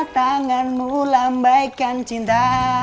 tanganmu lambaikan cinta